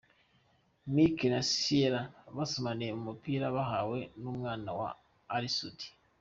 Mike na Ciella basomaniye mu mupira bahawe n'umwana wa Ally Soudy.